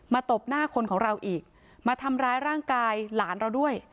ตบหน้าคนของเราอีกมาทำร้ายร่างกายหลานเราด้วย